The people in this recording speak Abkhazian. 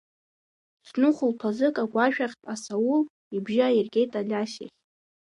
Зны хәылԥазык агәашә ахьтә асаул ибжьы ааиргеит Алиас иахь…